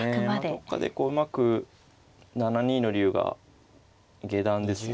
どっかでうまく７二の竜が下段ですね